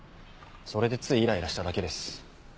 それでついイライラしただけです。